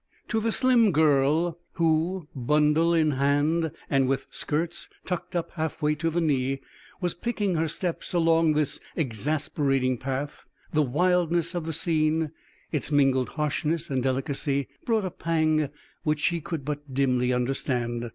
To the slim girl who, bundle in hand and with skirts tucked up half way to the knee, was picking her steps along this exasperating path, the wildness of the scene its mingled harshness and delicacy brought a pang which she could but dimly understand.